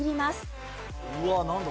うわあなんだ？